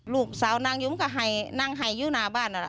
ลูกสาวนั่งอยู่มันก็ไห่นั่งไห่อยู่หน้าบ้านน่ะ